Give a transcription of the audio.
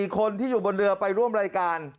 คนที่อยู่บนเรือไปร่วมรายการ